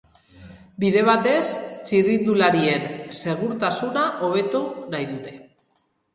Bide batez, txirrindularien segurtasuna hobetu nahi dute.